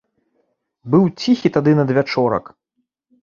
Быў ціхі тады надвячорак.